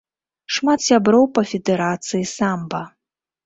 Шмат сяброў па федэрацыі самба.